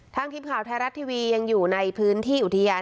ทีมข่าวไทยรัฐทีวียังอยู่ในพื้นที่อุทยาน